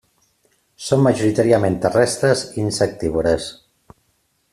Són majoritàriament terrestres i insectívores.